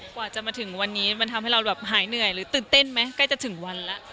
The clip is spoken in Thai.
กว่าจะมาถึงวันนี้มันทำให้เราแบบหายเหนื่อยหรือตื่นเต้นไหมใกล้จะถึงวันแล้ว